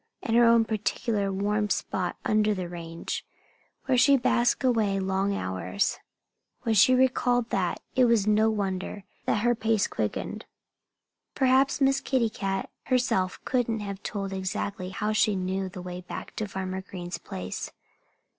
And her own particular warm spot under the range, where she basked away long hours! When she recalled that it was no wonder that her pace quickened. Perhaps Miss Kitty Cat herself couldn't have told exactly how she knew the way back to Farmer Green's place.